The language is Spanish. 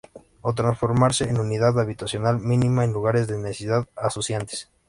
O transformarse en unidad habitacional mínima en lugares de necesidades acuciantes.